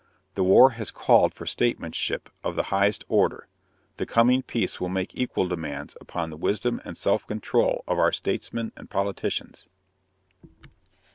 The war has called for statesmanship of the highest order; the coming peace will make equal demands upon the wisdom and self control of our statesmen and politicians.